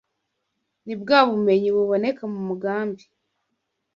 ni bwa bumenyi buboneka mu mugambi